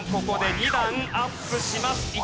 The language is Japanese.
ここで２段アップします。